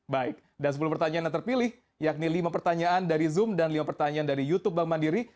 baik dan sepuluh pertanyaan yang terpilih yakni lima pertanyaan dari zoom dan lima pertanyaan dari youtube bank mandiri